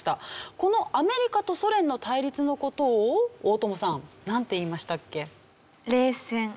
このアメリカとソ連の対立の事を大友さんなんていいましたっけ？